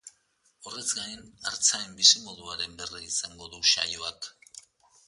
Horrez gain, artzain bizimoduaren berri izango du saioak.